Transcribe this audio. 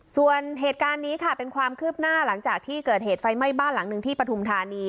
ส่วนเหตุการณ์นี้ค่ะเป็นความคืบหน้าหลังจากที่เกิดเหตุไฟไหม้บ้านหลังหนึ่งที่ปฐุมธานี